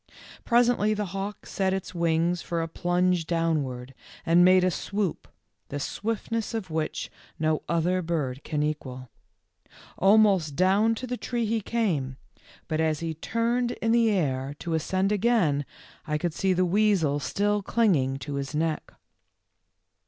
Presently the hawk set its wings for a plunge downward, and made a swoop, the swiftness of which no other bird can equal. Almost down to the tree he came, but as he turned in 106 THE LITTLE FORESTERS. the air to ascend again I could see the weasel still clino; ino: to his neck.